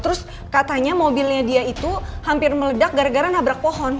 terus katanya mobilnya dia itu hampir meledak gara gara nabrak pohon